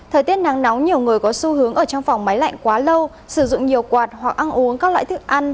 thời tiết nắng nóng nhiều người có xu hướng ở trong phòng máy lạnh quá lâu sử dụng nhiều quạt hoặc ăn uống các loại thức ăn